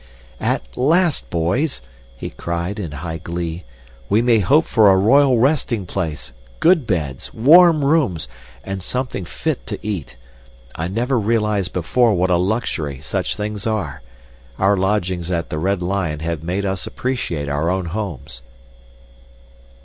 "At last, boys," he cried in high glee, "we may hope for a royal resting place good beds, warm rooms, and something fit to eat. I never realized before what a luxury such things are. Our lodgings at the Red Lion have made us appreciate our own homes."